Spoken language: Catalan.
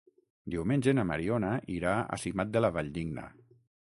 Diumenge na Mariona irà a Simat de la Valldigna.